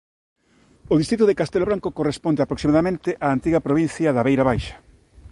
O distrito de Castelo Branco corresponde aproximadamente á antiga provincia da Beira Baixa.